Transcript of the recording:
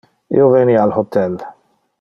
Io veni al hotel.